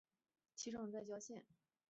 其冢在谯县。